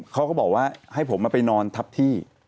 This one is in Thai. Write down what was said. เขาก็บอกว่าให้ผมมาไปนอนทับที่